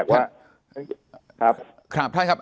เนื่องจากว่าครับ